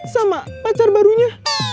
sama pacar barunya